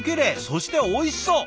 そしておいしそう！